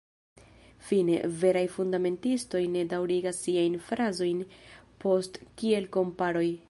Fine, veraj fundamentistoj ne daŭrigas siajn frazojn post kiel-komparoj.